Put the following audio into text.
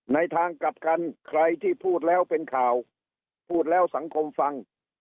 ในทางกลับกันใครที่พูดแล้วเป็นข่าวพูดแล้วสังคมฟัง